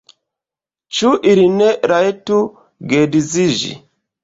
Ĉu ili ne rajtu geedziĝi?